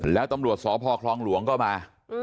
แล้วตำรวจสพคลองหลวงก็มา